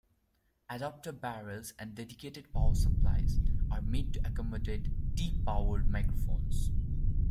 Adapter barrels, and dedicated power supplies, are made to accommodate T powered microphones.